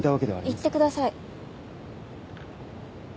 行ってください。